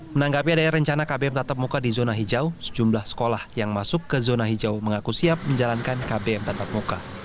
menanggapi ada rencana kbm tatap muka di zona hijau sejumlah sekolah yang masuk ke zona hijau mengaku siap menjalankan kbm tatap muka